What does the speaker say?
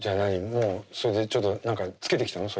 もうそれでちょっと何かつけてきたの？